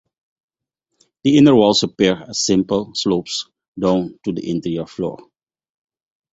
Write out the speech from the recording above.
The inner walls appear as simple slopes down to the interior floor.